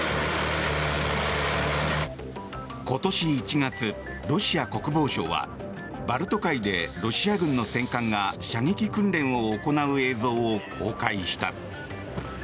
今年１月、ロシア国防省はバルト海でロシア軍の戦艦が射撃訓練を行う映像を公開した。